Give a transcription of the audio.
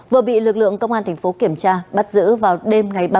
vừa bị lực lượng công an thành phố kiểm tra bắt giữ vào đêm ngày ba mươi